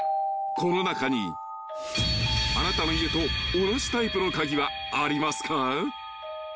［この中にあなたの家と同じタイプの鍵はありますか？］